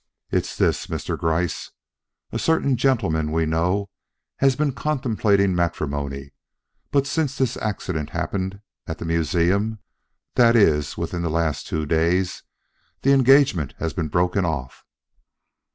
It's this, Mr. Gryce: A certain gentleman we know has been contemplating matrimony; but since this accident happened at the museum, that is, within the last two days, the engagement has been broken off."